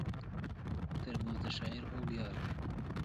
ترموز د شاعر خوږ یار دی.